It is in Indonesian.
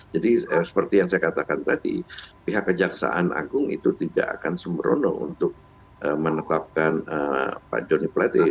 jadi seperti yang saya katakan tadi pihak kejaksaan agung itu tidak akan sumberono untuk menetapkan pak johnny pletih